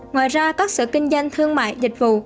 ngoài ra các sở kinh doanh thương mại dịch vụ